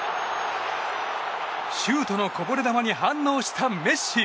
シュートのこぼれ球に反応したメッシ。